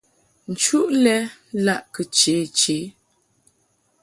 Nchuʼ lɛ laʼ kɨ che che.